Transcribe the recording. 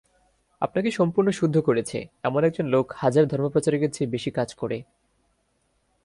আপনাকে সম্পূর্ণ শুদ্ধ করেছে, এমন একজন লোক হাজার ধর্মপ্রচারকের চেয়ে বেশী কাজ করে।